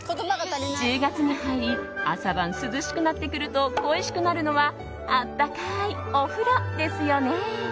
１０月に入り朝晩涼しくなってくると恋しくなるのは温かいお風呂ですよね。